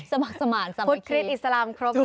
สมัครสมาธิสมภิกษ์พุทธคริสต์อิสลามครบเลย